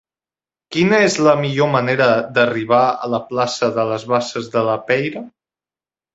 Quina és la millor manera d'arribar a la plaça de les Basses de la Peira?